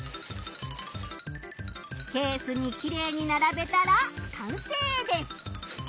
ケースにきれいにならべたらかんせいです！